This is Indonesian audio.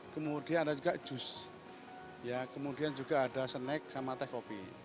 kemudian ada juga jus kemudian juga ada snack sama teh kopi